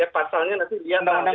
pasalnya nanti dia nambah